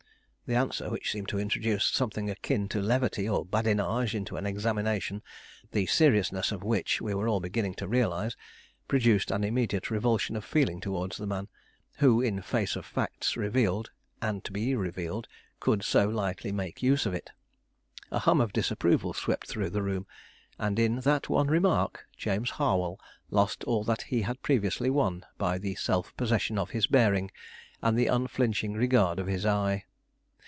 This answer, which seemed to introduce something akin to levity or badinage into an examination the seriousness of which we were all beginning to realize, produced an immediate revulsion of feeling toward the man who, in face of facts revealed and to be revealed, could so lightly make use of it. A hum of disapproval swept through the room, and in that one remark, James Harwell lost all that he had previously won by the self possession of his bearing and the unflinching regard of his eye.